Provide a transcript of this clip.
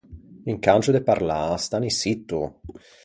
Incangio de parlâ, stanni sitto.